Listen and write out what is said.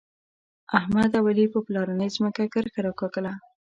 احمد او علي په پلارنۍ ځمکه کرښه راکاږله.